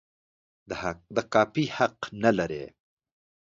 د کاپي حق نه لري.